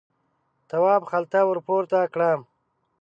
تواب خلته ور پورته کړه.